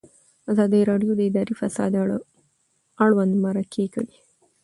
ازادي راډیو د اداري فساد اړوند مرکې کړي.